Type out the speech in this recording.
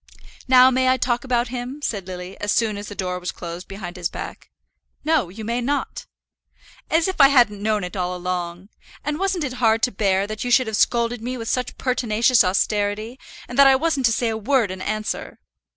"Now may I talk about him?" said Lily, as soon as the door was closed behind his back. "No; you may not." "As if I hadn't known it all along! And wasn't it hard to bear that you should have scolded me with such pertinacious austerity, and that I wasn't to say a word in answer!"